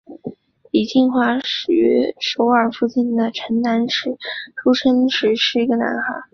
李庆烨于首尔附近的城南市出生时是一个男孩。